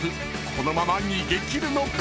このまま逃げ切るのか⁉］